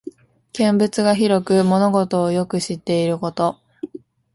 見聞が広く物事をよく知っていること。